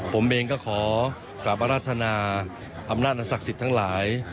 ผมเองก็ขอกลับอรัฐนาอำนาจศักดิ์สิทธิ์ทั้งหลาย